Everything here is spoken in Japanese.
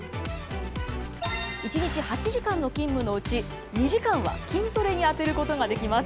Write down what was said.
１日８時間の勤務のうち、２時間は筋トレに充てることができます。